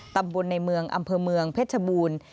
ตำบลในเมืองอำเภอเมืองเพชรบูรณ์